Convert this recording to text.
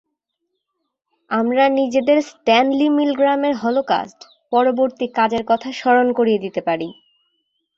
আমরা নিজেদের স্ট্যানলি মিলগ্রামের হলোকাস্ট-পরবর্তী কাজের কথা স্মরণ করিয়ে দিতে পারি।